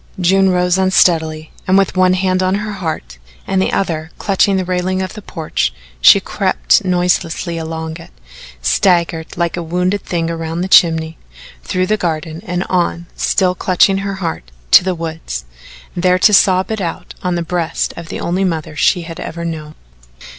June rose unsteadily, and with one hand on her heart and the other clutching the railing of the porch, she crept noiselessly along it, staggered like a wounded thing around the chimney, through the garden and on, still clutching her heart, to the woods there to sob it out on the breast of the only mother she had ever known.